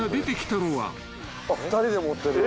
あっ２人で持ってる。